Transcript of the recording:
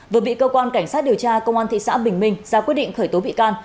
vừa bị cơ quan cảnh sát điều tra công an thị xã bình minh ra quyết định khởi tố bị can